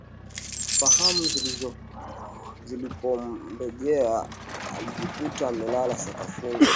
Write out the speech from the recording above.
Fahamu zilipomrejea akajikuta amelala sakafuni